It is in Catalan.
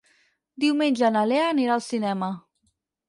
Diumenge na Lea anirà al cinema.